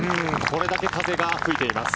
これだけ風が吹いています。